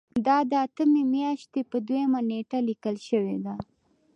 دا د اتمې میاشتې په دویمه نیټه لیکل شوې ده.